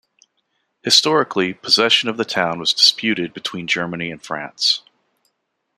Historically, possession of the town was disputed between Germany and France.